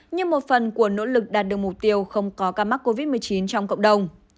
như một phần của nỗ lực đạt được mục tiêu không có ca mắc covid một mươi chín trong cộng đồng